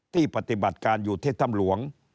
ที่ปฏิบัติการอยู่ท่ีนท่ำหลวง